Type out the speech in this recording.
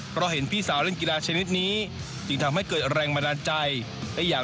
เพราะเห็นพี่สาวเล่นกีฬาชนิดนี้